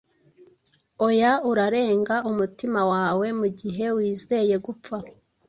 oya Urarenga umutima wawe mugihe wizeye gupfa?